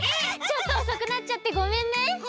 ちょっとおそくなっちゃってごめんね。